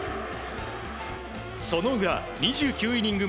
その裏、２９イニング